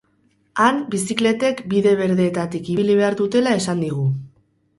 Han bizikletek bide berdeetatik ibili behar dutela esan digu.